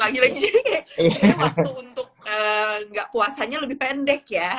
jadi kayak waktu untuk nggak puasanya lebih pendek ya